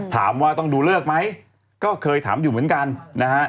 ถามว่าต้องดูเลิกไหมก็เคยถามอยู่เหมือนกันนะฮะ